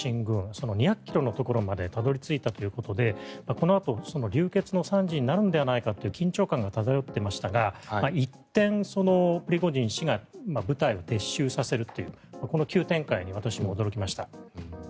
その２００ｋｍのところまでたどり着いたということでこのあと流血の惨事になるのではないかという緊張感が漂っていましたが一転、そのプリゴジン氏が部隊を撤収させるというこの急展開に私も驚きました。